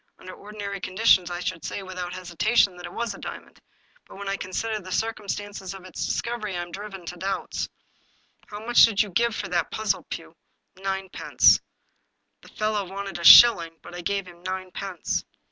Under ordinary conditions I should say, without hesitation, that it was a diamond. But when I consider the circumstances of its discovery, I am driven to doubts. How much did you give for that puzzle, Pugh?" " Ninepence ; the fellow wanted a shilling, but I gave him ninepence.